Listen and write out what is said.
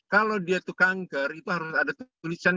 kalau dia itu kanker itu harus ada tulisan